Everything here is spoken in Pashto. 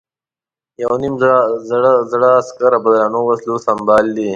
یو نیم زره عسکر په درنو وسلو سمبال دي.